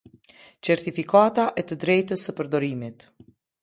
Certifikata e të drejtës së përdorimit.